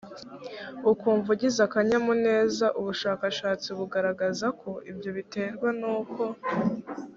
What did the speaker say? ukumva ugize akanyamuneza ubushakashatsi bugaragaza ko ibyo biterwa n uko